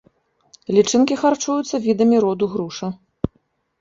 Лічынкі харчуюцца відамі роду груша.